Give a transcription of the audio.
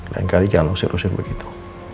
lain kali jangan rusih rusih begitu